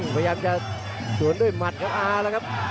พยายามจะสวนด้วยหมัดของอาแล้วครับ